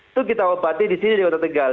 itu kita obati di sini di kota tegal